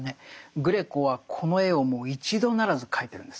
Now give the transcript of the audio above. グレコはこの絵をもう一度ならず描いてるんです。